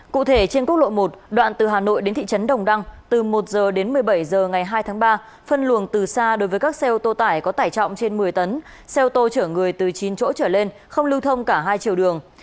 cụ thể trên quốc lộ một đoạn từ hà nội đến thị trấn đồng đăng từ một h đến một mươi bảy h ngày hai tháng ba phân luồng từ xa đối với các xe ô tô tải có tải trọng trên một mươi tấn xe ô tô chở người từ chín chỗ trở lên không lưu thông cả hai chiều đường